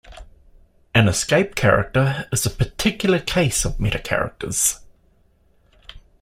An escape character is a particular case of metacharacters.